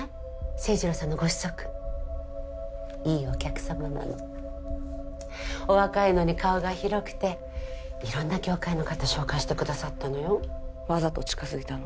清治郎さんのご子息いいお客様なのお若いのに顔が広くて色んな業界の方紹介してくださったのよわざと近づいたの？